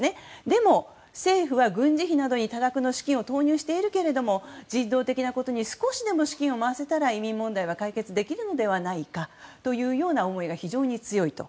でも政府は軍事費などに多額の資金を投入しているけれども人道的なことに少しでも資金を回せたら移民問題は解決できるのではないかという思いが非常に強いと。